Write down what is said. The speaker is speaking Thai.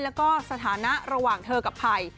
แล้วก็สถานะระหว่างเธอกับภัย